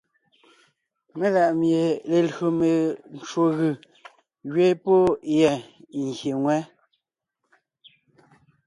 Mela ʼmie lelÿò mencwò gʉ̀ gẅiin pɔ́ yɛ́ ngyè ŋwɛ́.